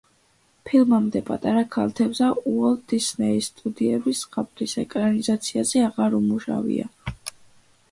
ფილმამდე „პატარა ქალთევზა“ უოლტ დისნეის სტუდიებს ზღაპრის ეკრანიზაციაზე აღარ უმუშავია.